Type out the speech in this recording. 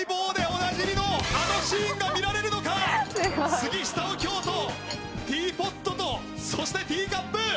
杉下右京とティーポットとそしてティーカップ！